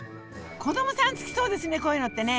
子どもさん好きそうですねこういうのってね。